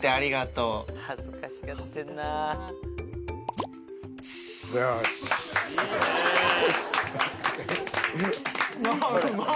うまい？